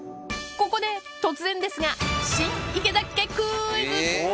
ここで突然ですが、新池崎家クイズ。